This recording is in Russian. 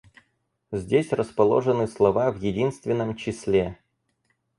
Здесь расположены слова в единственном числе: